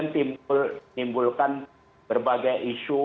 jangan lagi kemudian timbulkan berbagai isu